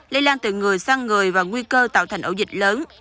lây lan từ người sang người và nguy cơ tạo thành ổ dịch lớn